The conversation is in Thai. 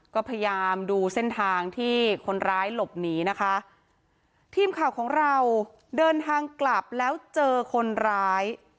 ก็พยายามดูเส้นทางที่คนร้ายหลบหนีนะคะทีมข่าวของเราเดินทางกลับแล้วเจอคนร้าย